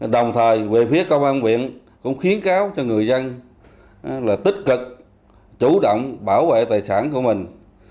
đồng thời về phía công an quyện cũng khuyến cáo cho người dân là tích cực chủ động bảo vệ tài sản của mình